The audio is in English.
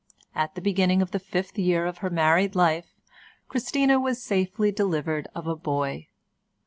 At the beginning of the fifth year of her married life Christina was safely delivered of a boy.